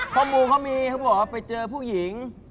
ข้อมูลเขามีเขาบอกว่าไปเจอผู้หญิง